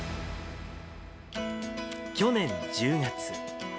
去年１０月。